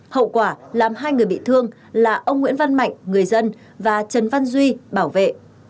hậu quả làm hai người bị thương là ông nguyễn văn mạnh người dân và trần văn duy bảo vệ